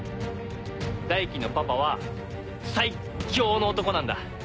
大樹のパパは最強の男なんだ。